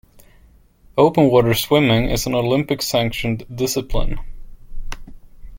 Open water swimming is an Olympic-sanctioned discipline.